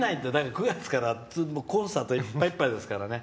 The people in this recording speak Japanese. ９月から、コンサートいっぱいいっぱいですから。